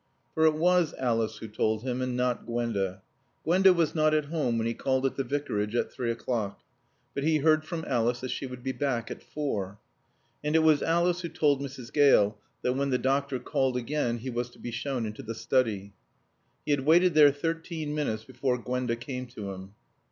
For it was Alice who told him, and not Gwenda. Gwenda was not at home when he called at the Vicarage at three o'clock. But he heard from Alice that she would be back at four. And it was Alice who told Mrs. Gale that when the doctor called again he was to be shown into the study. He had waited there thirteen minutes before Gwenda came to him.